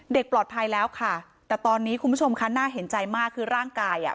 ปลอดภัยแล้วค่ะแต่ตอนนี้คุณผู้ชมคะน่าเห็นใจมากคือร่างกายอ่ะ